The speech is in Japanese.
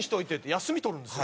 休み取るんですよ。